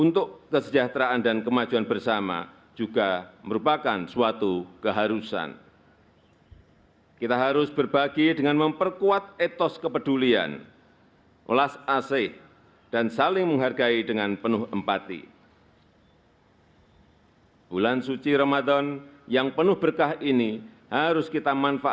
tanda kebesaran buka hormat senjata